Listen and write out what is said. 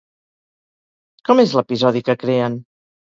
Com és l'episodi que creen?